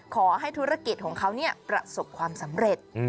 ขอให้ธุรกิจของเขาประสบความสำเร็จ